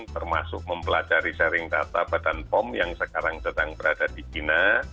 termasuk mempelajari sharing data badan pom yang sekarang sedang berada di china